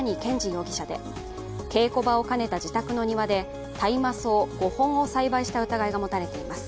容疑者で稽古場を兼ねた自宅の庭で大麻草５本を栽培した疑いが持たれています。